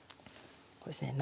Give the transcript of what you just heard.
これですね。